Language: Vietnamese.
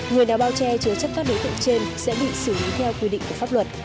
người đã bao che chứa chấp các đối tượng trên sẽ bị xử lý theo quy định của pháp luật